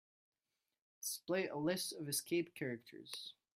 Display a list of escape characters.